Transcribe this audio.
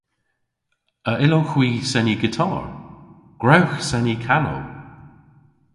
A yllowgh hwi seni gitar? Gwrewgh seni kanow!